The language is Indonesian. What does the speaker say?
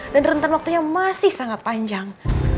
rentan waktunya masih sangat panjang